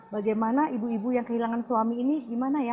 bagaimana ibu ibu yang kehilangan suami ini gimana ya